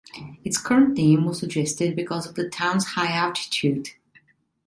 Its current name was suggested because of the town's high altitude.